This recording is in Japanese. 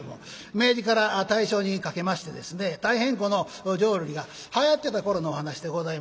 明治から大正にかけましてですね大変この浄瑠璃がはやってた頃のお噺でございまして。